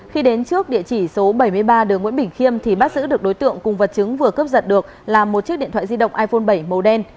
khi đến trước địa chỉ số bảy mươi ba đường nguyễn bình khiêm thì bắt giữ được đối tượng cùng vật chứng vừa cướp giật được là một chiếc điện thoại di động iphone bảy màu đen